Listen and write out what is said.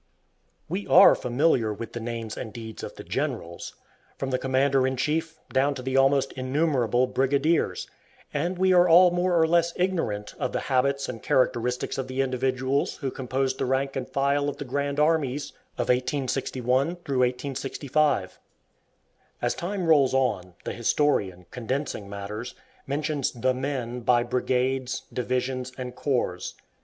We are familiar with the names and deeds of the "generals," from the commander in chief down to the almost innumerable brigadiers, and we are all more or less ignorant of the habits and characteristics of the individuals who composed the rank and file of the "grand armies" of 1861 65. As time rolls on, the historian, condensing matters, mentions "the men" by brigades, divisions, and corps.